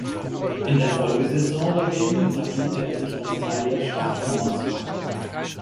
In der Folgesaison dagegen etablierte er sich als Teil der Startformation.